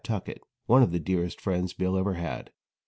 Tuckett, one of the dearest friends Bill ever had.